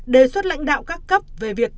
đề xuất lãnh đạo các cấp về việc